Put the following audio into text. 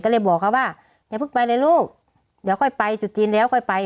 ก็เลยบอกเขาว่าอย่าเพิ่งไปเลยลูกเดี๋ยวค่อยไปจุดจีนแล้วค่อยไป